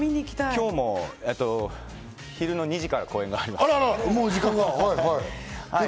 今日も昼の２時から公演があります。